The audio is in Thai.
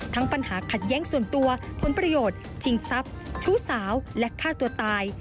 ปัญหาขัดแย้งส่วนตัวผลประโยชน์ชิงทรัพย์ชู้สาวและฆ่าตัวตาย